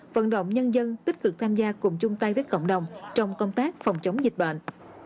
vận động nhân dân tích cực tham gia cùng chung tay với cộng đồng trong công tác phòng chống dịch bệnh